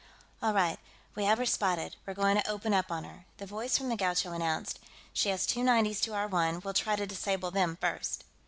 "All right, we have her spotted; we're going to open up on her," the voice from the Gaucho announced. "She has two 90's to our one; we'll try to disable them, first."